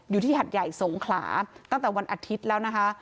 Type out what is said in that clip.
หัดใหญ่สงขลาตั้งแต่วันอาทิตย์แล้วนะคะ